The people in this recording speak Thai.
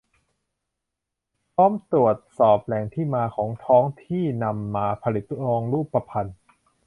พร้อมตรวจสอบแหล่งที่มาของทองที่นำมาผลิตทองรูปพรรณ